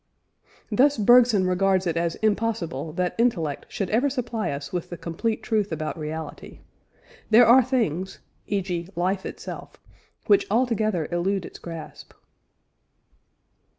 Thus Bergson regards it as impossible that intellect should ever supply us with the complete truth about reality; there are things, e.g. life itself which altogether elude its grasp.